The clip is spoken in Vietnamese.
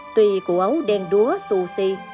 tùy cụ ấu đen đúa xù xi